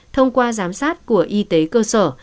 thông qua giám sát của y tế cơ sở